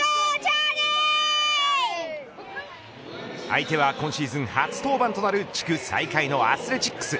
相手は今シーズン初登板となる地区最下位のアスレチックス。